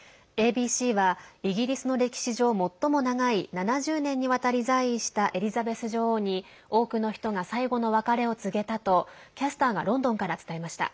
ＡＢＣはイギリスの歴史上最も長い７０年にわたり在位したエリザベス女王に多くの人が最後の別れを告げたとキャスターがロンドンから伝えました。